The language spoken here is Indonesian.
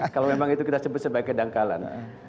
kalau memang itu kita sebut sebagai kedangkalan